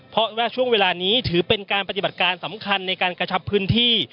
เพราะว่าช่วงเวลานี้ถือเป็นการปฏิบัติการสำคัญในการกระชับพื้นที่